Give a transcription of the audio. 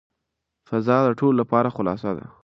فضا د ټولو لپاره خلاصه ده.